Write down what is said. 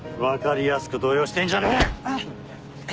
分かりやすく動揺してんじゃねえ！